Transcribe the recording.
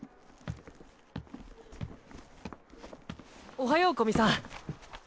おはよう古見さん。